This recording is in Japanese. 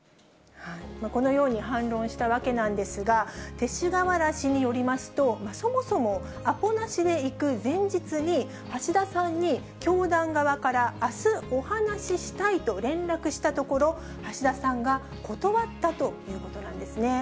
このように反論したわけなんですが、勅使河原氏によりますと、そもそもアポなしで行く前日に、橋田さんに教団側から、あすお話ししたいと連絡したところ、橋田さんが、断ったということなんですね。